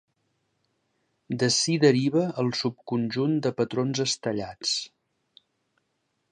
D'ací deriva el subconjunt de patrons estellats.